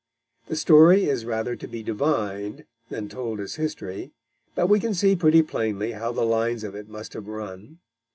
The story is rather to be divined than told as history, but we can see pretty plainly how the lines of it must have run.